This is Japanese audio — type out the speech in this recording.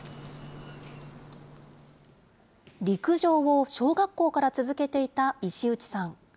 陸上を小学校から続けていた石内さん。